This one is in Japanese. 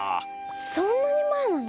そんなにまえなの？